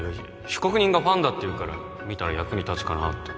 被告人がファンだって言うから見たら役に立つかなって